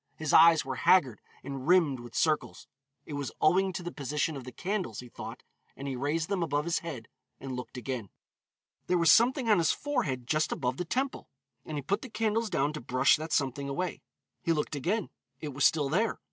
His eyes were haggard and rimmed with circles. It was owing to the position of the candles, he thought, and he raised them above his head and looked again. There was something on his forehead just above the temple, and he put the candles down to brush that something away. He looked again, it was still there.